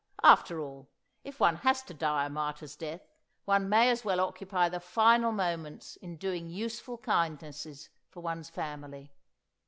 After all, if one has to die a martyr's death, one may as well occupy the final moments in doing useful kindnesses for one's family.